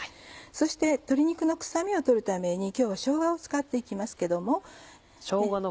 そして鶏肉の臭みを取るために今日はしょうがを使って行きますけども。